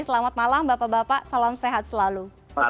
selamat malam bapak bapak salam sehat selalu